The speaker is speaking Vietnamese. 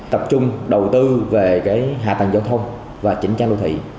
tập trung đầu tư về hạ tầng giao thông và chỉnh trang đô thị